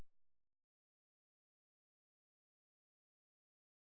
สร้างแรงกรุม